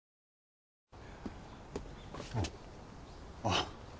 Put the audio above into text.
あっ。